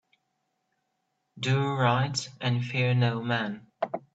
Do right and fear no man.